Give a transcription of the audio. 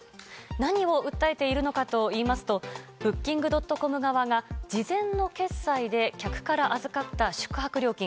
何を訴えているのかといいますとブッキングドットコム側が事前の決済で客から預かった宿泊料金